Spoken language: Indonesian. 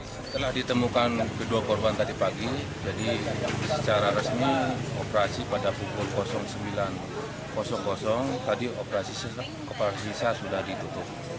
setelah ditemukan kedua korban tadi pagi jadi secara resmi operasi pada pukul sembilan tadi operasi sisa sudah ditutup